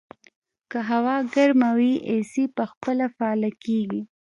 که هوا ګرمه وي، اې سي په خپله فعاله کېږي.